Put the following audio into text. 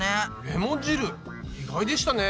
レモン汁意外でしたね。